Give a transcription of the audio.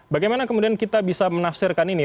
bagaimana kemudian kita bisa menafsirkan ini